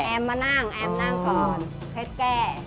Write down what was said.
มานั่งแอมนั่งก่อนเพชรแก้